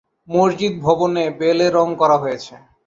মসজিদ ভবনে বেলে রঙ করা হয়েছে।